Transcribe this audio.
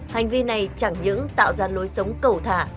hành vi này chẳng những tạo ra lối sống cầu thả